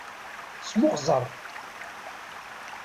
Smuxẓer.